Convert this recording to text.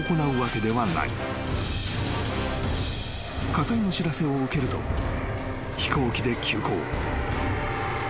［火災の知らせを受けると飛行機で急行］